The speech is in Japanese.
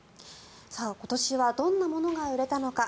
今年はどんなものが売れたのか。